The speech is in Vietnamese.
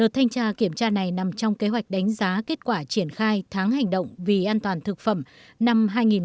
thanh tra kiểm tra này nằm trong kế hoạch đánh giá kết quả triển khai tháng hành động vì an toàn thực phẩm năm hai nghìn một mươi chín